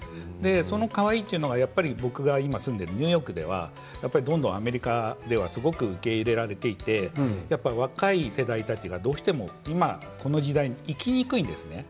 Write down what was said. そういうカワイイというのが今、僕が住んでいるニューヨークではどんどんアメリカでは受け入れられていて若い世代たちが、どうしても今この時代生きにくいんですね。